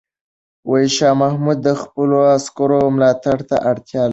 شاه محمود د خپلو عسکرو ملاتړ ته اړتیا لري.